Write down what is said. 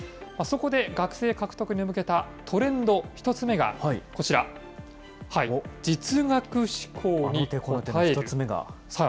そこで学生獲得に向けたトレンド、１つ目がこちら、実学志向に応える。